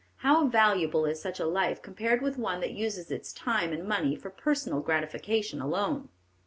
How valuable is such a life compared with one that uses its time and money for personal gratification alone.